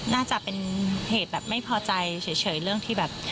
น่าจะเป็นเหตุแบบไม่พอใจเฉยเรื่องที่แบบ